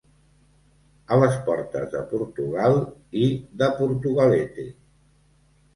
A les portes de Portugal i de Portugalete.